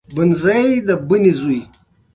په امریکا کې پنځه د انجینری ټولنې جوړې شوې.